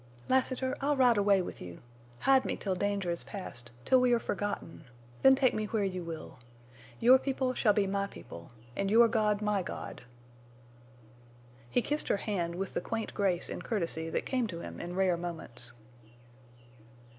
"Lassiter, I'll ride away with you. Hide me till danger is past—till we are forgotten—then take me where you will. Your people shall be my people, and your God my God!" He kissed her hand with the quaint grace and courtesy that came to him in rare moments.